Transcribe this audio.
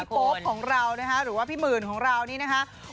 โป๊ปของเรานะคะหรือว่าพี่หมื่นของเรานี่นะคะ